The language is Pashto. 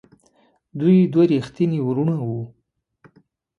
دوی دوه ریښتیني وروڼه وو.